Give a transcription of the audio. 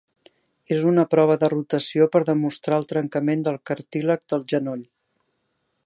És una prova de rotació per demostrar el trencament del cartílag del genoll.